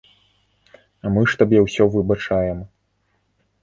Мы ж табе ўсё выбачаем.